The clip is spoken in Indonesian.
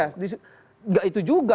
ya nggak itu juga